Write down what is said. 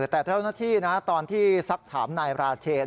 แต่เจ้าหน้าที่ตอนที่สักถามนายราเชน